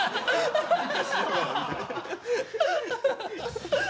ハハハハ！